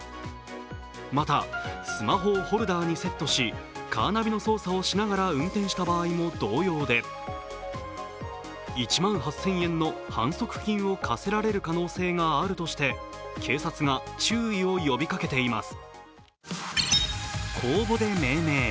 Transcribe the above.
また、スマホをホルダーにセットしカーナビの操作をしながら運転した場合も同様で１万８０００円の反則金を科せられる可能性があるとして、警察が注意を呼びかけています。